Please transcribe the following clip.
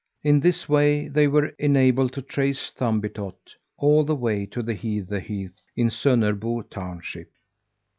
In this way, they were enabled to trace Thumbietot all the way to the heather heath in Sonnerbo township.